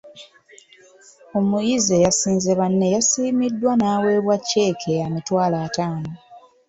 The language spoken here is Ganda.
Omuyizi eyasinze banne yasiimiddwa n’aweebwa cceeke ya mitwalo ataano.